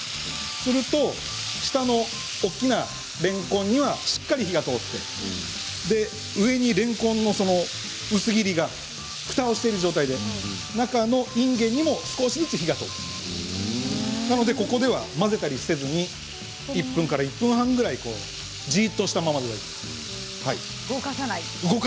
すると下の大きなれんこんにはしっかり火が通って上にれんこんの薄切りがふたをしている状態で中のいんげんにも少しずつ火が通ってなのでここでは、混ぜたりせずに１分から１分半ぐらいじっとしたままで大丈夫。